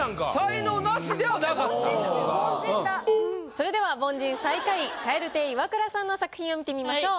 それでは凡人最下位蛙亭イワクラさんの作品を見てみましょう。